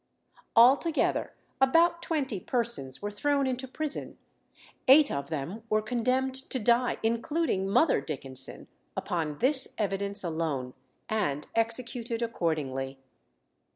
Altogether, about twenty persons were thrown into prison; eight of them were condemned to die, including Mother Dickenson, upon this evidence alone, and executed accordingly.